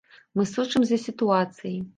Мы сочым за сітуацыяй.